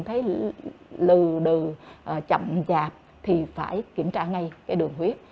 thấy lừ đừ chậm dạp thì phải kiểm tra ngay cái đường huyết